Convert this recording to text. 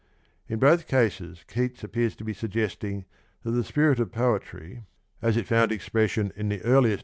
In both cases Keats appears to be suggesting that the spirit of poetry, as it found expression in the earliest 65 of Kn IvDiioD.